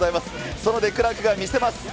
そのデクラークが見せます。